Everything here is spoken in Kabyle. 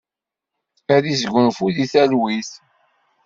Ad isgunfu di talwit!